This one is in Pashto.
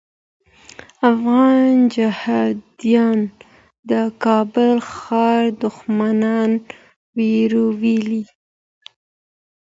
افغان جهاديان د کابل ښار دښمنان ویرولي.